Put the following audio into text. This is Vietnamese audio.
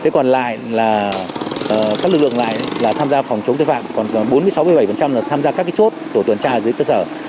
còn lại là các lực lượng tham gia phòng chống tên phạm bốn mươi sáu bảy tham gia các chốt của tuần tra dưới cơ sở